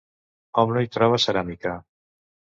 Hom no hi troba ceràmica.